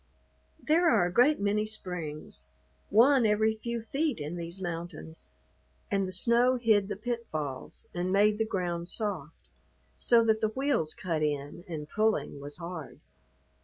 There are a great many springs, one every few feet in these mountains, and the snow hid the pitfalls and made the ground soft, so that the wheels cut in and pulling was hard.